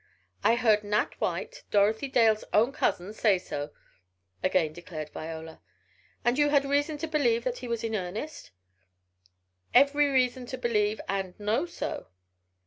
"I heard Nat White, Dorothy Dale's own cousin, say so," again declared Viola. "And you had reason to believe he was in earnest?" "Every reason to believe and know so."